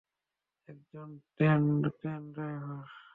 একজন crane driver.